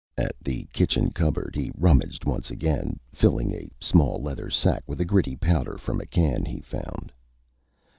At the kitchen cupboard, he rummaged once again, filling a small leather sack with a gritty powder from a can he found.